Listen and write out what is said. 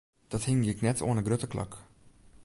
Dat hingje ik net oan 'e grutte klok.